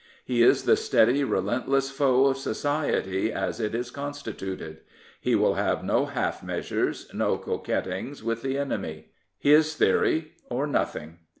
He is the steady, relentless foe of society as it is constituted. He will have no half measures, no 376 Philip Snowden coquettings with the enemy. His theory or nothing.